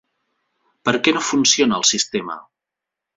Per què no funciona el sistema?